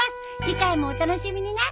次回もお楽しみにね。